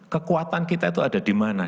kekuatan kita itu ada di mana